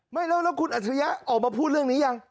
ไม่แล้วคุณอัชรยะออกมาพูดเรื่องนี้อย่าง